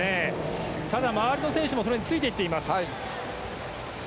ただ周りの選手もそれについていってます。